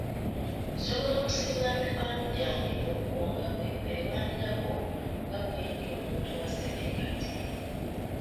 Nasobola okusiibula mikwano gyange okwo nga bwe mbeewaanirako nga bwendi muntu wa city kati.